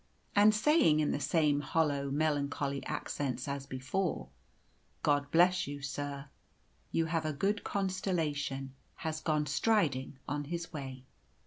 And saying, in the same hollow, melancholy accents as before, "God bless you, sir! You have a good constellation," has gone striding on his way.